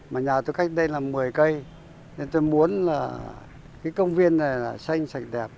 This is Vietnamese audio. mà nhà tôi cách đây là một mươi cây nên tôi muốn công viên này là xanh sạch đẹp